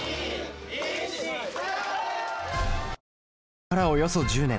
それからおよそ１０年。